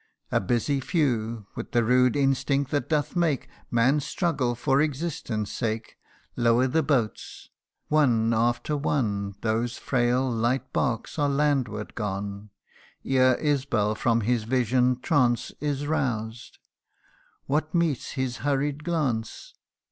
A busy few, With the rude instinct that doth make Man struggle for existence' sake, Lower the boats : one after one Those frail light barks are landward gone, Ere Isbal from his vision'd trance Is roused. What meets his hurried glance